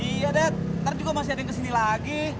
iya dad ntar juga masih ada yang kesini lagi